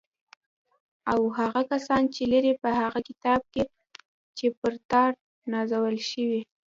او هغه کسان چې لري په هغه کتاب چې پر تا نازل شوی